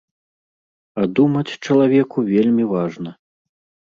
А думаць чалавеку вельмі важна.